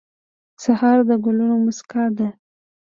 سهار د ګلونو موسکا ده.